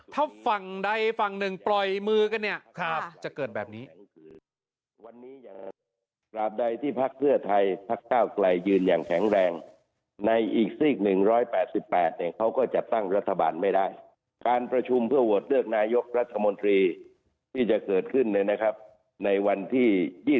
ถ้าฝั่งใดฝั่งหนึ่งปล่อยมือกันเนี่ยจะเกิดแบบนี้